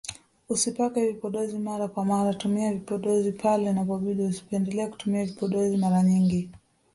Usipake vipodozi mara kwa mara tumia vipodozi pale inapobidi usipendele kutumia vipodozi mara nyingi